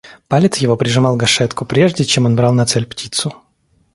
Палец его прижимал гашетку прежде, чем он брал на цель птицу.